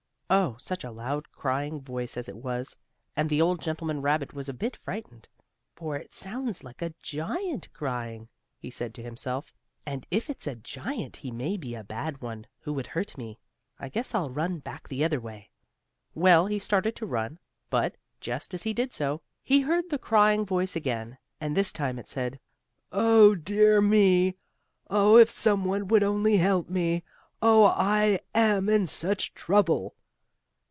Oh, such a loud crying voice as it was, and the old rabbit gentleman was a bit frightened. "For it sounds like a giant crying," he said to himself. "And if it's a giant he may be a bad one, who would hurt me. I guess I'll run back the other way." Well, he started to run, but, just as he did so, he heard the voice crying again, and this time it said: "Oh, dear me! Oh, if some one would only help me! Oh, I am in such trouble!"